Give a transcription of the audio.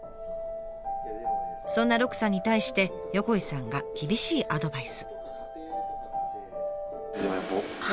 そんな鹿さんに対して横井さんが厳しいアドバイス。